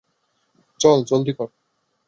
চল, জলদি কর।